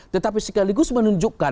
tetapi sekaligus menunjukkan